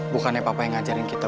bukannya papa yang ngajarin kita